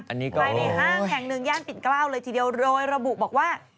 ไปในห้างแห่งหนึ่งย่านปิดกล้าวเลยทีเดียวโดยระบุบอกว่า